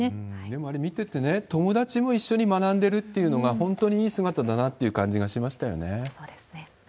でもあれ見ててね、友達も一緒に学んでるっていうのが本当にいい姿だなっていう感じそうですね。